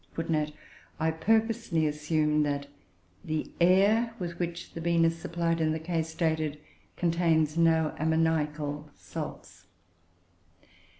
[Footnote 3: I purposely assume that the air with which the bean is supplied in the case stated contains no ammoniacal salts.